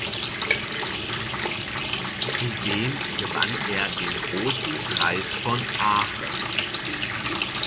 Zudem gewann er den Großen Preis von Aachen.